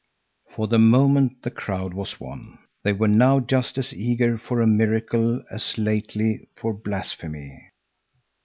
For the moment the crowd was won. They were now just as eager for a miracle as lately for blasphemy.